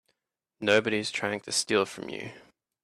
Nobody's trying to steal from you.